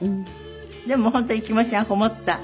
でも本当に気持ちがこもった。